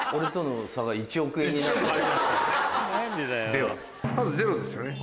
ではまずゼロですよね。